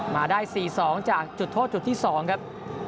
มาได้๔๒จากจุดโทษจุดที่๒ครับ